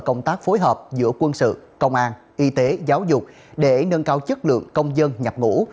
công tác phối hợp giữa quân sự công an y tế giáo dục để nâng cao chất lượng công dân nhập ngũ